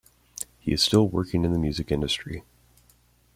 He is still working in the music industry.